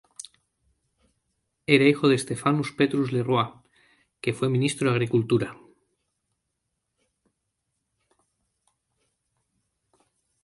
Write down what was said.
Era hijo de Stephanus Petrus le Roux, que fue ministro de agricultura.